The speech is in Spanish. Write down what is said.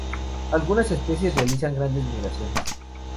Algunas especies realizan grandes migraciones.